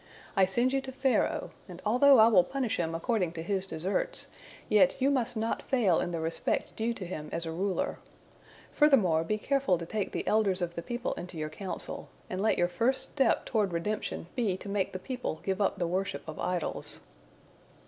I send you to Pharaoh, and although I will punish him according to his deserts, yet you must not fail in the respect due to him as a ruler. Furthermore, be careful to take the elders of the people into your counsel, and let your first step toward redemption be to make the people give up the worship of idols."